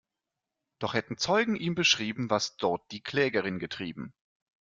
Doch hätten Zeugen ihm beschrieben, was dort die Klägerin getrieben.